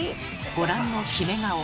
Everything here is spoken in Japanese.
ご覧のキメ顔。